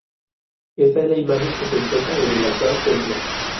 Esta es la imagen que se encuentra en el actual Templo.